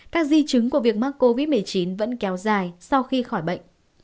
các di chứng của việc mắc covid một mươi chín vẫn kéo dài sau khi khỏi bệnh